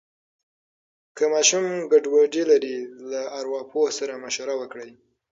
که ماشوم ګډوډي لري، له ارواپوه سره مشوره وکړئ.